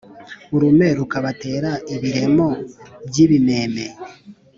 Urume rukabatera ibiremo by’ibimeme